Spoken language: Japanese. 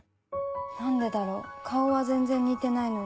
何でだろう顔は全然似てないのに。